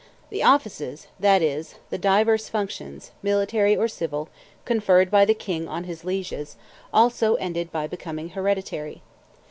The offices, that is, the divers functions, military or civil, conferred by the king on his lieges, also ended by becoming hereditary.